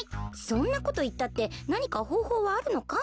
そんなこといったってなにかほうほうはあるのか？